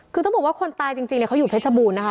คือต้องบอกว่าคนตายจริงเขาอยู่เพชรบูรณนะคะ